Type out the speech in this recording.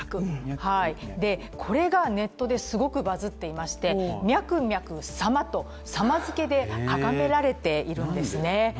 これがネットですごくバズっていましてミャクミャク様と「様」付けであがめられているんです。